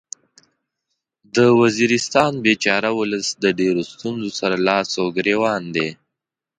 د وزیرستان بیچاره ولس د ډیرو ستونځو سره لاس او ګریوان دی